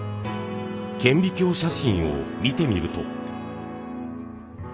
顕微鏡写真を見てみると。